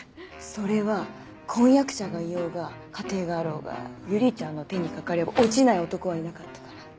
それは婚約者がいようが家庭があろうが百合ちゃんの手にかかれば落ちない男はいなかったから。